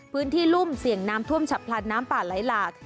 พื้นที่รุ่มสี่งทรวมผลาจากพลัดน้ำป่าไหลหลาก